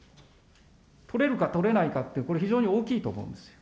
取れるか取れないかって、これ、非常に大きいと思うんですよ。